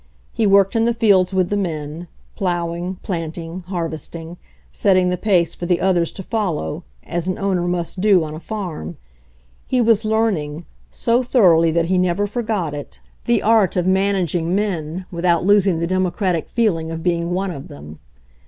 He worked in the fields with the men, plowing, planting, harvest ing, setting the pace for the others to follow, as an owner must do on a farm. He was learn ing 1 , so thoroughly that he never forgot it, the art BACK TO THE FARM 35 of managing men without losing the democratic feeling of being one of them.